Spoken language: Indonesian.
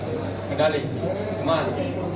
kita sangat senang mendapatkan medali emas